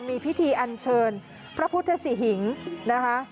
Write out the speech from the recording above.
มีพิธีอันเชิญพระพุทธสิหิงนะคะ